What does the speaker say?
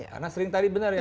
karena sering tadi benar ya